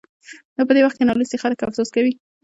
نو په دې وخت کې نالوستي خلک افسوس کوي.